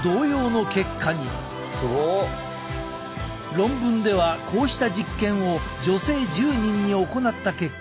論文ではこうした実験を女性１０人に行った結果